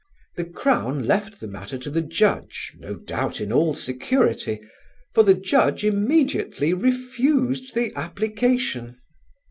The Crown left the matter to the Judge, no doubt in all security; for the Judge immediately refused the application.